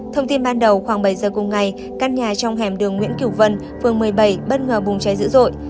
thông tin ban đầu khoảng bảy giờ cùng ngày căn nhà trong hẻm đường nguyễn cửu vân phường một mươi bảy bất ngờ bùng cháy dữ dội